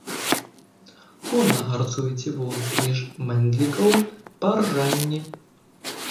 Конна гарцуе цівун між мэндлікаў па ржанні.